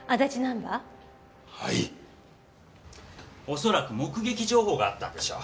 恐らく目撃情報があったんでしょう。